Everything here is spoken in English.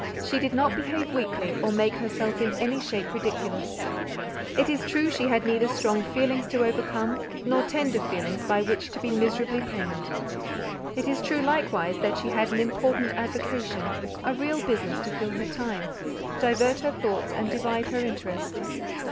She did not behave weakly, or make herself in any shape ridiculous. It is true she had neither strong feelings to overcome, nor tender feelings by which to be miserably pained. It is true likewise that she had an important avocation, a real business to fill her time, divert her thoughts, and divide her interest.